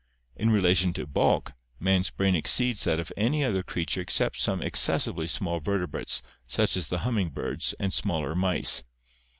In relation to bulk, man's brain exceeds that of any other creature except some excessively small vertebrates such as the humming birds and smaller mice.